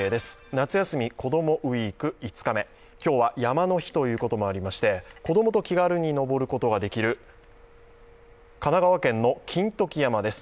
「夏休み子どもＷＥＥＫ」、５日目今日は山の日ということもありまして、子供と気軽に登ることができる神奈川県の金時山です。